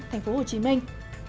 thành phố hồ chí minh